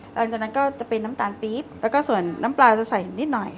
หลังจากนั้นก็จะเป็นน้ำตาลปี๊บแล้วก็ส่วนน้ำปลาจะใส่นิดหน่อย